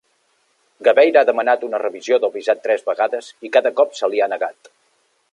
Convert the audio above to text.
Gabeira ha demanat una revisió del visat tres vegades i cada cop se l'hi ha negat.